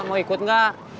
mau ikut gak